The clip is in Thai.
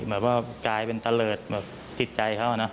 แบบว่ากลายเป็นตะเลิศแบบติดใจเขานะ